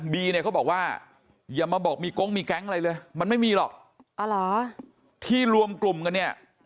เนี่ยเขาบอกว่าอย่ามาบอกมีกงมีแก๊งอะไรเลยมันไม่มีหรอกที่รวมกลุ่มกันเนี่ย